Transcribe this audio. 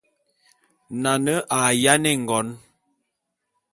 Nane a yáne ngon.